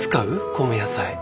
米野菜。